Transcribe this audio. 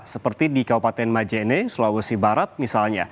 seperti di kabupaten majene sulawesi barat misalnya